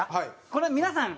これ皆さん